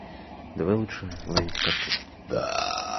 Давай лучше ловить котов!